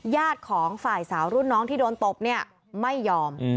ญาติของฝ่ายสาวรุ่นน้องที่โดนตบเนี่ยไม่ยอม